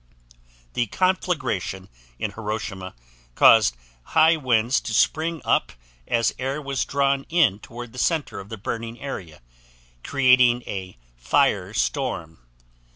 The conflagration in Hiroshima caused high winds to spring up as air was drawn in toward the center of the burning area, creating a "fire storm".